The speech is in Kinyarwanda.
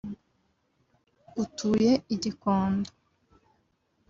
utuye i Gikondo